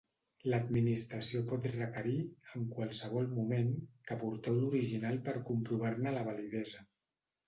L'Administració pot requerir, en qualsevol moment, que aporteu l'original per comprovar-ne la validesa.